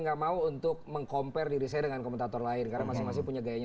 enggak mau untuk meng compare diri saya dengan komentator lain karena masih punya gayanya